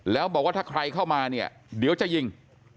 แล้วบอกว่าถ้าใครเข้ามาเนี่ยเดี๋ยวจะยิง